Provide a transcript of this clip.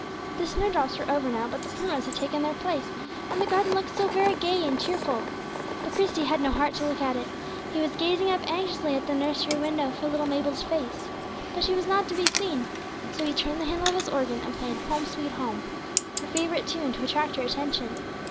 The snowdrops were over now, but the primroses had taken their place, and the garden looked very gay and cheerful. But Christie had no heart to look at it; he was gazing up anxiously at the nursery window for little Mabel's face. But she was not to be seen, so he turned the handle of his organ and played "Home, sweet Home," her favorite tune, to attract her attention.